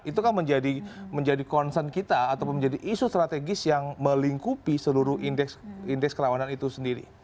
itu kan menjadi concern kita atau menjadi isu strategis yang melingkupi seluruh indeks kerawanan itu sendiri